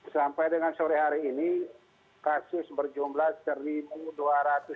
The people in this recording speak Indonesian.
sampai dengan sore hari ini kasus berjumlah seribu dua ratus enam belas